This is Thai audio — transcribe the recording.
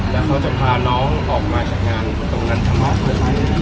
แล้วเขาจะพาน้องออกมาจากงานตรงนั้นทำไม